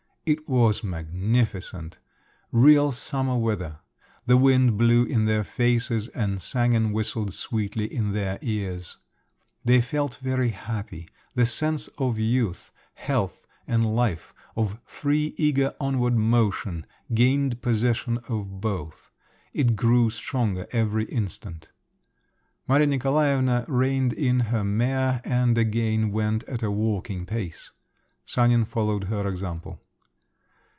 It was magnificent, real summer weather; the wind blew in their faces, and sang and whistled sweetly in their ears. They felt very happy; the sense of youth, health and life, of free eager onward motion, gained possession of both; it grew stronger every instant. Maria Nikolaevna reined in her mare, and again went at a walking pace; Sanin followed her example.